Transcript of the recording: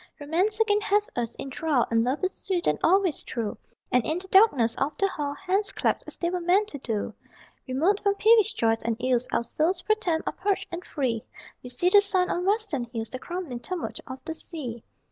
Romance again hath us in thrall And Love is sweet and always true, And in the darkness of the hall Hands clasp as they were meant to do. Remote from peevish joys and ills Our souls, pro tem, are purged and free: We see the sun on western hills, The crumbling tumult of the sea.